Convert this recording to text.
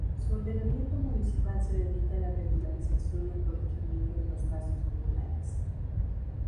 Su ordenamiento municipal se dedica a la regularización y aprovechamiento de los pastos comunales.